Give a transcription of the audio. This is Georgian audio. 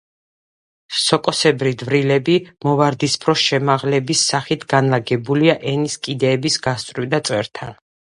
სოკოსებრი დვრილები მოვარდისფრო შემაღლების სახით განლაგებულია ენის კიდეების გასწვრივ და წვერთან.